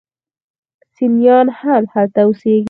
سنیان هم هلته اوسیږي.